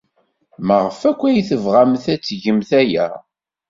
Maɣef akk ay tebɣamt ad tgemt aya?